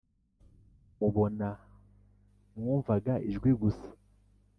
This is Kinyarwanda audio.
mubona; mwumvaga ijwi gusa.